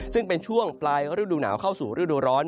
ซึ่งเป็นช่วงปลายฤดูหนาวเข้าสู่ฤดูร้อน